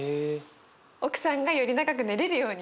奥さんがより長く寝れるように。